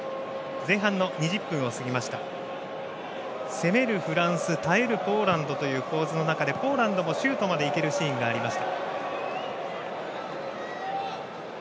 攻めるフランス耐えるポーランドという構図の中でポーランドもシュートまでいけるシーンがありました。